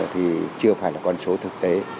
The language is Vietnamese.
thì chưa phải là con số thực tế